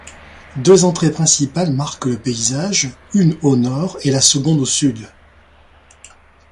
Deux entrées principales marquent le paysage, une au nord et la seconde au sud.